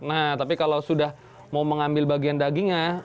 nah tapi kalau sudah mau mengambil bagian dagingnya